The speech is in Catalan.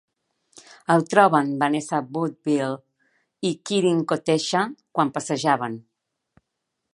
El troben Vanessa Woodfield i Kirin Kotecha quan passejaven.